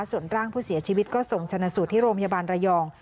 ส่วนร่างผู้เสียชีวิตก็ส่งชนะสูตรที่โรงพยาบาลระยอง